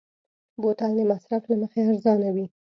بوتل د مصرف له مخې ارزانه وي.